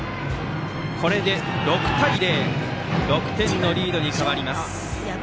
これで６対０と６点のリードに変わります。